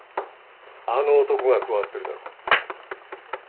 あの男が加わってるだろ。